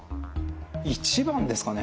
１番ですかね？